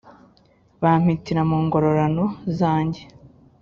Bampitira mu ngororano zanjye